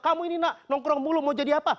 kamu ini nak nongkrong mulu mau jadi apa